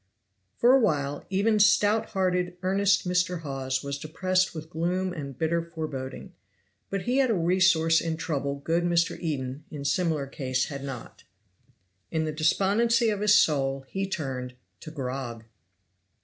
For a while even stout hearted, earnest Mr. Hawes was depressed with gloom and bitter foreboding; but he had a resource in trouble good Mr. Eden in similar case had not. In the despondency of his soul he turned to GROG.